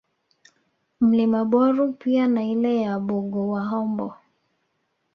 Mlima Boru pia na ile ya Bugulwahombo